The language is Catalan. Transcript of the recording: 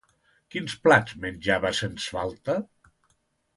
Quins plats menjava sens falta?